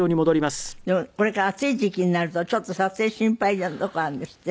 でもこれから暑い時期になるとちょっと撮影心配なとこあるんですって？